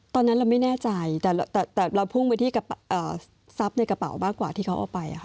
ตอนนั้นเราไม่แน่ใจแต่แต่แต่เราพุ่งไปที่กระอ่าซับในกระเป๋าบ้างกว่าที่เขาเอาไปค่ะ